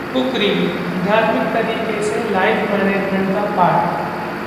book review: आध्यात्मिक तरीके से लाइफ-मैनेजमेंट का पाठ